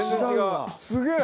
すげえ！